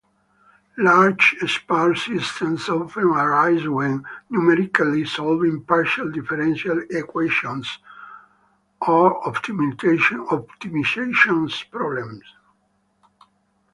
Large sparse systems often arise when numerically solving partial differential equations or optimization problems.